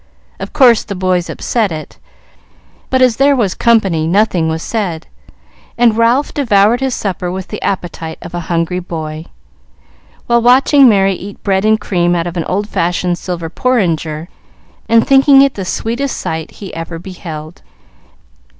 Of course the boys upset it, but as there was company nothing was said, and Ralph devoured his supper with the appetite of a hungry boy, while watching Merry eat bread and cream out of an old fashioned silver porringer, and thinking it the sweetest sight he ever beheld.